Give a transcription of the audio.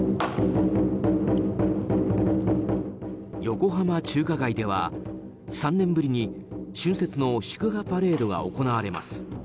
横浜中華街では３年ぶりに春節の祝賀パレードが行われます。